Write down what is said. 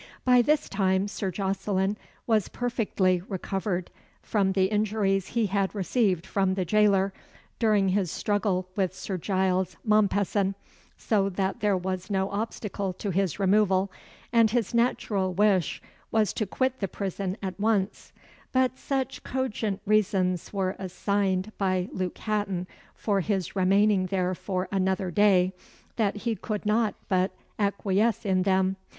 By this time Sir Jocelyn was perfectly recovered from the injuries he had received from the jailer, during his struggle with Sir Giles Mompesson, so that there was no obstacle to his removal, and his natural wish was to quit the prison at once; but such cogent reasons were assigned by Luke Hatton for his remaining there for another day, that he could not but acquiesce in them.